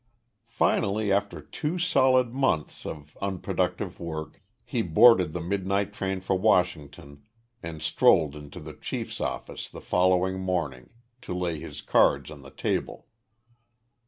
Finally, after two solid months of unproductive work, he boarded the midnight train for Washington and strolled into the chief's office the following morning, to lay his cards on the table.